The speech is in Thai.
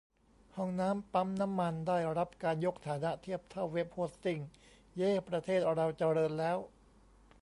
ห้องน้ำปั๊มน้ำมัน ได้รับการยกฐานะเทียบเท่า เว็บโฮสติ้ง เย้ ประเทศเราเจริญแล้ว !